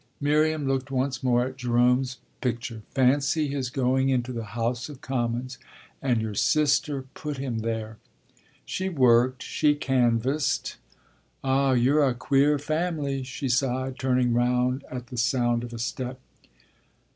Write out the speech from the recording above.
Miriam looked once more at Gérôme's picture. "Fancy his going into the House of Commons! And your sister put him there?" "She worked, she canvassed." "Ah you're a queer family!" she sighed, turning round at the sound of a step.